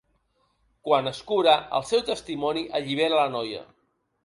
Quan es cura, el seu testimoni allibera la noia.